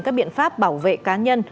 các biện pháp bảo vệ cá nhân